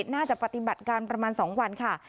น่าจะปฏิบัติการประมาณ๒วันค่ะ